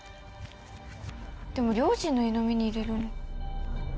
でも両親の湯飲みに入れるの。